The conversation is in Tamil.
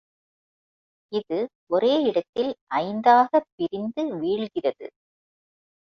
இது ஒரே இடத்தில் ஐந்தாகப் பிரிந்து வீழ்கிறது.